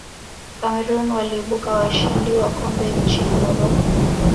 cameroon waliibuka washindi wa kombe nchini morocco